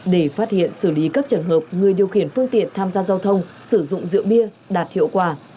để phát hiện xử lý các trường hợp người điều khiển phương tiện tham gia giao thông sử dụng rượu bia đạt hiệu quả